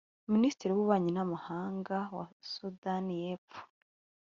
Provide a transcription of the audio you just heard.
Minisitiri w’Ububanyi n’Amahanga wa Sudani y’Epfo